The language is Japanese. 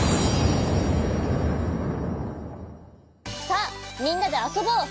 さあみんなであそぼう！